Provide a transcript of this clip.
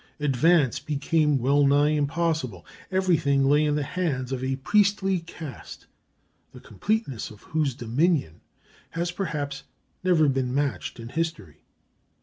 Advance became well nigh impossible. Everything lay in the hands of a priestly caste the completeness of whose dominion has perhaps never been matched in history.